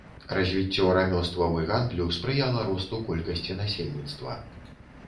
Развіццё рамёстваў і гандлю спрыяла росту колькасці насельніцтва.